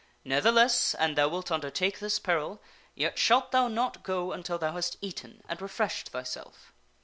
Ne'theless, an thou wilt undertake this peril, yet shalt thou not go until thou hast eaten and refreshed thy self."